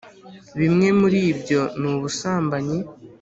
Bimwe muri byo ni ubusambanyi